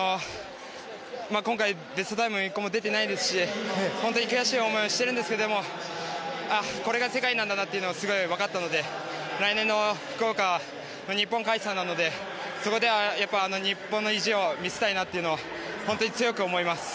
今回、ベストタイムは１個も出てないですし本当に悔しい思いをしているんですがこれが世界なんだなと分かったので来年の福岡は、日本開催なのでそこでは日本の意地を見せたいなと本当に強く思います。